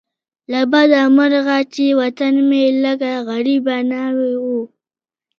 له بده مرغه چې وطن مې لکه غریبه ناوې وو.